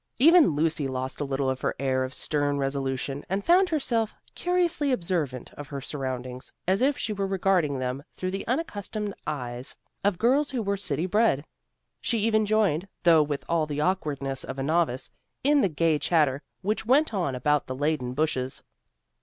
Even Lucy lost a little of her air of stern resolution and found herself curiously observant of her surroundings, as if she were regarding them through the unaccustomed eyes of girls who were city bred. She even joined, though with all the awkwardness of a novice, in the gay chatter which went on about the laden bushes.